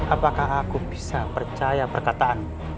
apakah aku bisa percaya perkataan